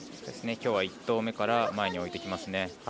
きょうは１投目から前に置いてきますね。